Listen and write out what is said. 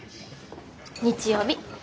日曜日。